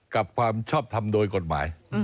กับความชอบทำโดยกฎหมาย